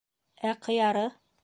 — Ә ҡыяры?